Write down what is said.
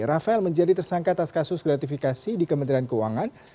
rafael menjadi tersangka atas kasus gratifikasi di kementerian keuangan